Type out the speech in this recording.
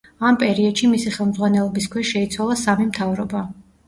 ამ პერიოდში მისი ხელმძღვანელობის ქვეშ შეიცვალა სამი მთავრობა.